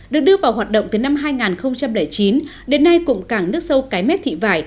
được đưa vào hoạt động từ năm hai nghìn chín đến nay cụm cảng nước sâu cái mép thị vải